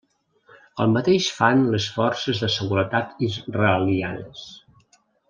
El mateix fan les forces de seguretat israelianes.